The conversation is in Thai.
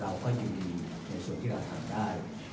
เราก็ยินดีในส่วนที่เราทำได้